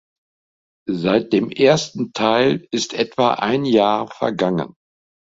Seit dem ersten Teil ist etwa ein Jahr vergangen.